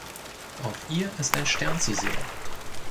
Auf ihr ist ein Stern zu sehen.